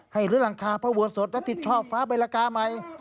ให้ลื้อหลังคาพระบัวสดและติดชอบฟ้าใบละกาใหม่